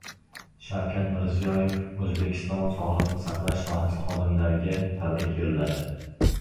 Shavkat Mirziyoyev O‘zbekiston sog‘liqni saqlash sohasi xodimlariga tabrik yo‘lladi